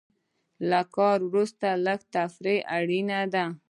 له کار وروسته لږه تفریح اړینه ده.